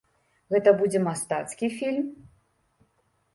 Гэта будзе мастацкі фільм?